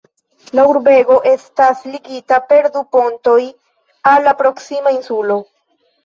La urbego estas ligita per du pontoj al la proksima insulo.